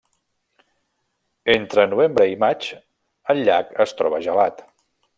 Entre novembre i maig el llac es troba gelat.